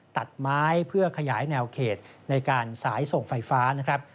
ตัดไม้เพื่อขยายแนวเขตในการสายส่งไฟฟ้านะครับ